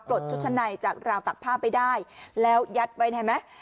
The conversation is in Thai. ปลดชุดชั้นในจากราวตากผ้าไปได้แล้วยัดไว้ไหนมั้ย